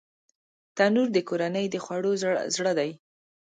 تنور د کورنۍ د خوړو زړه دی